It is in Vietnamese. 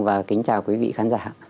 và kính chào quý vị khán giả